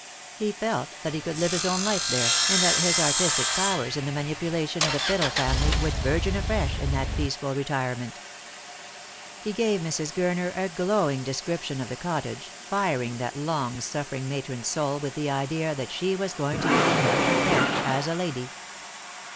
He felt that he could live his own life there, and that his artistic powers in the manipulation of the fiddle family would burgeon afresh in that peaceful re tirement. He gave Mrs. Gurner a glowing description of the cottage, firing that long suffering matron's soul with the idea that she was going to begin life afresh as a lady.